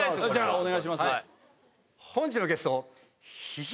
お願いします。